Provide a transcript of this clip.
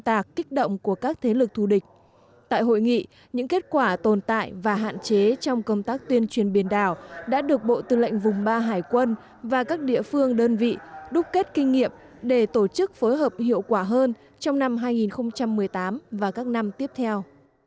tại hội nghị những kết quả tồn tại và hạn chế trong công tác tuyên truyền biển đảo đã được bộ tư lệnh vùng ba hải quân và các địa phương đơn vị đúc kết kinh nghiệm để tổ chức phối hợp hiệu quả hơn trong năm hai nghìn một mươi tám và các năm tiếp theo